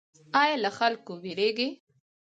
ایا له خلکو ویریږئ؟